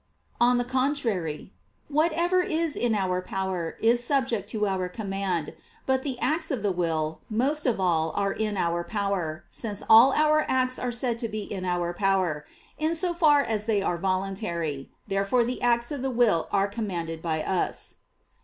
On the contrary, Whatever is in our power, is subject to our command. But the acts of the will, most of all, are in our power; since all our acts are said to be in our power, in so far as they are voluntary. Therefore the acts of the will are commanded by us.